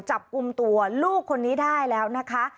จับกลุ่มตัวลูกคนนี้ได้แล้วนะคะ